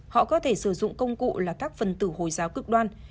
họ có thể sử dụng công cụ là các phần tử hồi giáo cực đoan